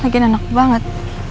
lagian anak banget